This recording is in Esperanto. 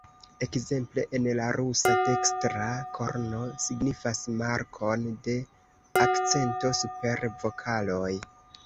Ekzemple en la rusa dekstra korno signifas markon de akcento super vokaloj.